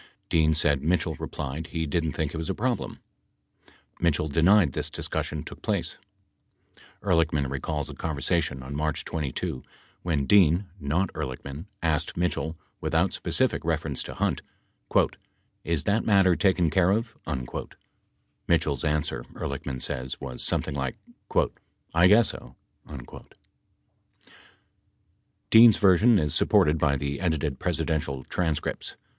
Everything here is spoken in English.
Dean said Mitchell replied he didn't think it was a problem. 21 Mitchell denied this discussion took place. 22 Ehrlichman recalls a conversation on March 22 when Dean 21 3 Hearings 1001. 22 4 Hearings 1650. 61 (not Ehrlichman) asked Mitchell, without specific reference to Hunt, "is that matter taken care of?" Mitchell's answer, Ehrlichman says, was something like "I guess so." 23 Dean's version is supported by the edited Presidential tran scripts.